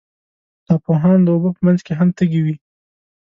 ناپوهان د اوبو په منځ کې هم تږي وي.